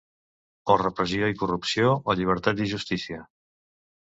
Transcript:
O repressió i corrupció, o llibertat i justícia.